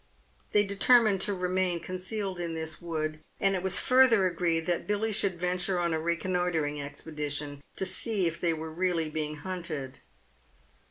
They determined to remain concealed in this wood, and it was further agreed that Billy should venture on a reconnoitring expedition, to see if they were really being hunted.